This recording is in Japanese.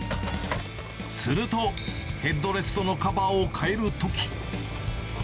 すると、ヘッドレストのカバーを替えるとき。